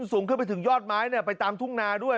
สูงขึ้นไปถึงยอดไม้ไปตามทุ่งนาด้วย